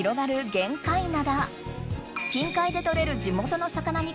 玄界灘。